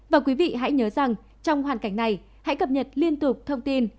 và quý vị hãy nhớ rằng trong hoàn cảnh này hãy cập nhật liên tục thông tin